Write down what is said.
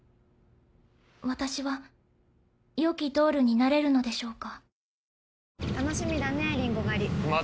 私は良きドールになれるのでしょうか？